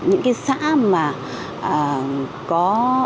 những xã mà có